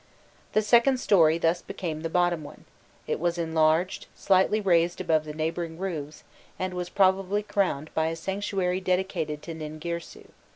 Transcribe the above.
The second story thus became the bottom one; it was enlarged, slightly raised above the neighbouring roofs, and was probably crowned by a sanctuary dedicated to Ningirsu.